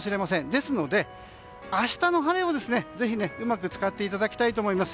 ですので、明日の晴れをぜひうまく使っていただきたいと思います。